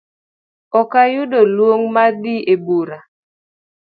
Okayudo luong mar dhi ebura